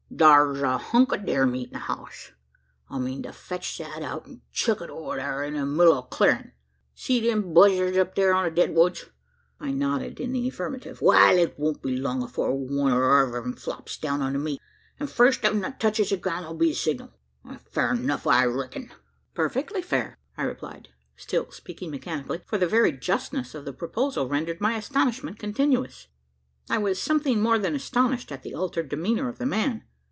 Thur's a hunk o' deer meat in the house: I mean to fetch that out, and chuck it over thur, into the middle o' the clarin'. Ye see them buzzarts up thur on the dead woods?" I nodded in the affirmative. "Wal it won't be long afore one or other o' them flops down to the meat; an' the first o' 'em that touches ground, that'll be the signal. That's fair enuf, I reck'n?" "Perfectly fair," I replied, still speaking mechanically for the very justness of the proposal rendered my astonishment continuous. I was something more than astonished at the altered demeanour of the man.